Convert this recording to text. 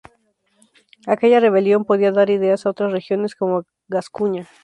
Aquella rebelión podía dar ideas a otras regiones, como Gascuña.